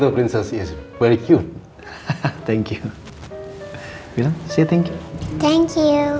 pemiliknya ya sangat kacak